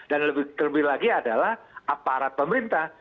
dan lebih terlebih lagi adalah aparat pemerintah